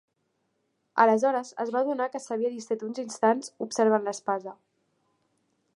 Aleshores es va adonar que s'havia distret uns instants observant l'espasa.